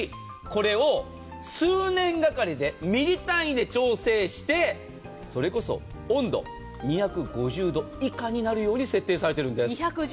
これを数年がかりでミリ単位で調整してそれこそ温度２５０度以下になるように２１０から２５０度。